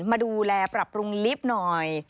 มาดูแลปรับปรุงลิฟต์หน่อย